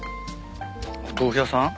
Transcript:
お豆腐屋さん？